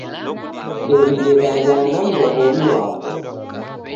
Ndew'idedanya na mndwaw'omi wapo